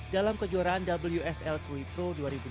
dalam kejuaraan wsl krui pro dua ribu dua puluh